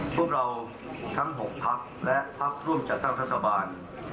พวกเราทั้ง๖พักและพักร่วมจัดตั้งรัฐบาล